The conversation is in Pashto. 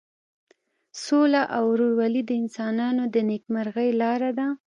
سوله او ورورولي د انسانانو د نیکمرغۍ لاره ده.